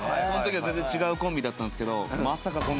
その時は全然違うコンビだったんですけどまさか。